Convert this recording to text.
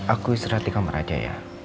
aku istirahat di kamar aja ya